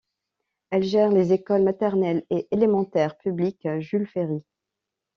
Elle gère les écoles maternelle et élémentaire publiques Jules-Ferry.